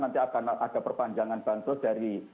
nanti akan ada perpanjangan bansos dari